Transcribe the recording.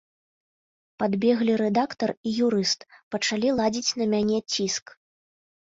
Падбеглі рэдактар і юрыст, пачалі ладзіць на мяне ціск.